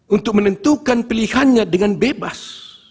untuk menentukan pilihannya dengan bebas